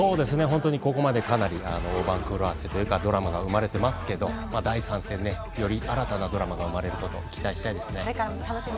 本当にここまで番狂わせというかドラマが生まれてますけど第３戦より新たなドラマが生まれること期待したいですね。